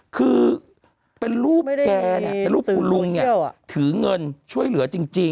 คือเป็นรูปแกเนี่ยเป็นรูปคุณลุงเนี่ยถือเงินช่วยเหลือจริง